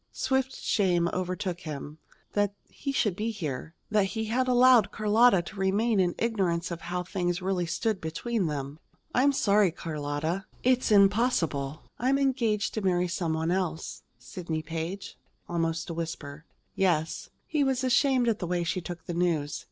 Swift shame overtook him, that he should be here, that he had allowed Carlotta to remain in ignorance of how things really stood between them. "I'm sorry, Carlotta. It's impossible. I'm engaged to marry some one else." "Sidney Page?" almost a whisper. "Yes." He was ashamed at the way she took the news.